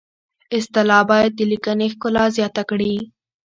اصطلاح باید د لیکنې ښکلا زیاته کړي